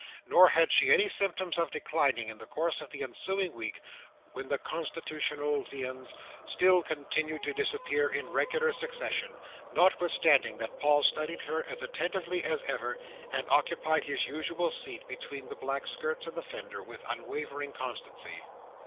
Nor had she any symptoms of declining, in the course of the ensuing week, when the constitutional viands still continued to disappear in regular succession, notwithstanding that Paul studied her as attentively as ever, and occupied his usual seat between the black skirts and the fender, with unwavering constancy.